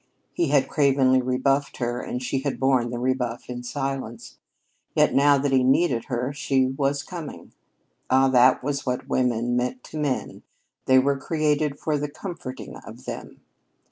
He had cravenly rebuffed her, and she had borne the rebuff in silence. Yet now that he needed her, she was coming. Ah, that was what women meant to men. They were created for the comforting of them.